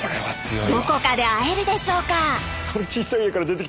どこかで会えるでしょうか？